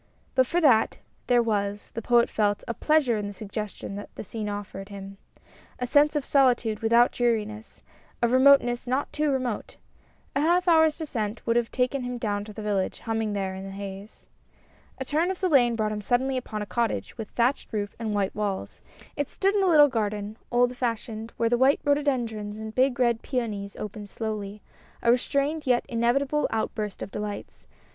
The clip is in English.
But for that, there was, the Poet felt, a pleasure in the suggestions that the scene offered him. A sense of solitude without dreariness, of remoteness not too remote. A half hour's descent would have taken him down to the village, humming there in the haze. A turn of the lane brought him suddenly upon a cottage, with thatched roof and white walls ; it stood in a little garden, old fashioned, where the white rhododendrons and big red peonies opened slowly, a restrained and yet inevitable outburst of delights.